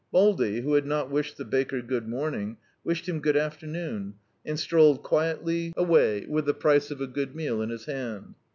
Baldy, who had not wished the baker good morning, wished him good aftemorai, and strolled quietly away, with the price of a good meal in his hand.